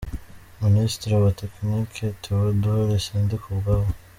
– Ministri wa tekiniki: Tewodori Sindikubwabo,